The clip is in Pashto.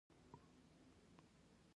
ما پرون د یو یتیم ماشوم پاکې اوښکې ولیدلې.